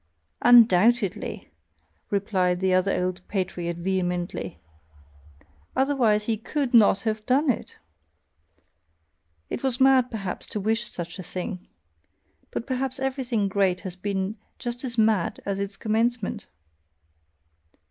"Undoubtedly!" replied the other old patriot vehemently, "otherwise he COULD NOT have done it! It was mad perhaps to wish such a thing! But perhaps everything great has been just as mad at its commencement!"